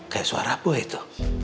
kayak suara boy itu